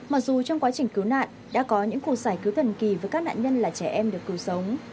mặc dù trong quá trình cứu nạn đã có những cuộc giải cứu thần kỳ với các nạn nhân là trẻ em được cứu sống